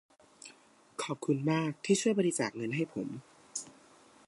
ขอบคุณมากที่ช่วยบริจาคเงินให้ผม